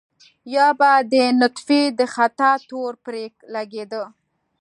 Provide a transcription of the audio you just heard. يا به د نطفې د خطا تور پرې لګېده.